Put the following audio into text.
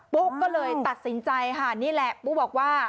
ุ๊กก็เลยตัดสินใจค่ะนี่แหละปุ๊กบอกว่า